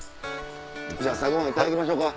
じゃあ朝ごはんいただきましょうか。